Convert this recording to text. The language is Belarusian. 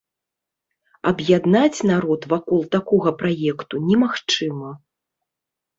Аб'яднаць народ вакол такога праекту немагчыма.